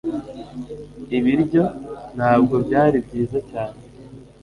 Ibiryo ntabwo byari byiza cyane